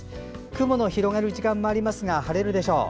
雲の広がる時間もありますが晴れるでしょう。